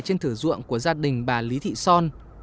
trên thử ruộng của gia đình bà lý thị son